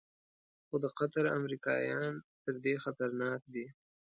خو د قطر امریکایان تر دې خطرناک دي.